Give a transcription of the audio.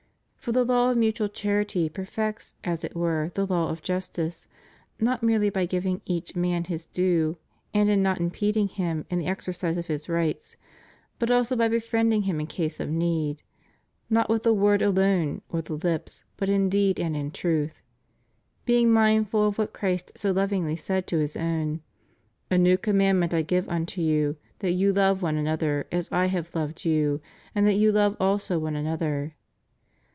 For the law of mutual charity perfects, as it were, the law of justice, not merely by giving each man his due and in not impeding him in the exercise of his rights, but also by befriending him in case of need, "not with the word alone, or the lips, but in deed and in truth"; being mindful of what Christ so lovingly said to His own: "A new com mandment I give unto you, that you love one another as I have loved you, that you love also one another.